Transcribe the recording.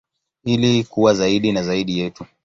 Ili kuwa zaidi na zaidi yetu.